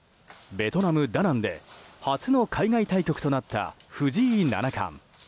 ベトナム・ダナンで初の海外対局となった藤井七冠。